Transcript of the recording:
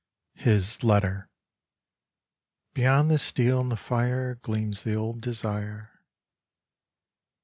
45 HIS LETTER Beyond the steel and the fire Gleams the old desire.